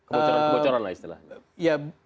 kebocoran lah istilahnya